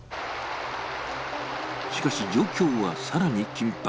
しかし、状況は更に緊迫。